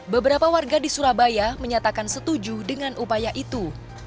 beberapa warga di surabaya menyatakan setuju dengan upaya itu